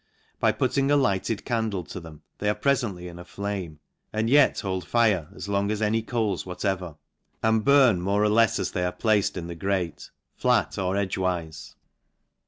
By putting a lighted candle to them, they are prefently in a flame, and yet hold fire as long as any coals whatever, and burn more or lefs as they are placed in the grate fiat or edgewife.